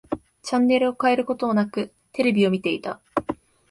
チャンネルを変えることなく、テレビを見ていた。